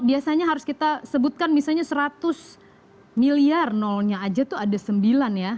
biasanya harus kita sebutkan misalnya seratus miliar nolnya aja tuh ada sembilan ya